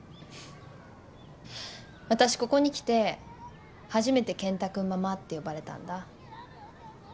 私ここに来て初めて健太君ママって呼ばれたんだ。